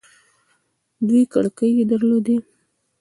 دوې کړکۍ يې در لودې.